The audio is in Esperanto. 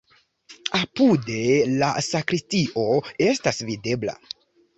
Apude la sakristio estas videbla.